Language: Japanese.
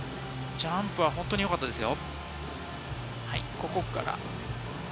ジャンプは本当によかったですよ。